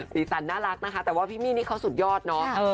สีสันน่ารักนะคะแต่ว่าพี่มี่นี่เขาสุดยอดเนาะ